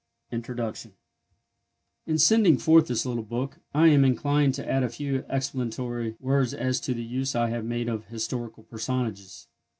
INTRODUCTION IN sending forth this little book, I am inclined to add a few explanatory words as to the use I have made of historical personages.